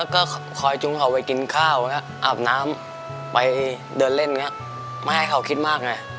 ก็คอยจุงเขาไปกินข้าวแล้วก็อาบน้ำไปเดินเล่นไม่ให้เขาคิดมากไง